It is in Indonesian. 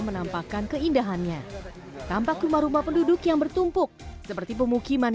menampakkan keindahannya tampak rumah rumah penduduk yang bertumpuk seperti pemukiman